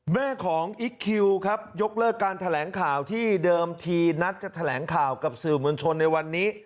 แม่ของอิ๊กคิวครับยกเลิกการแถลงข่าวที่เดิมทีนัดจะแถลงข่าวกับสื่อมวลชนในวันนี้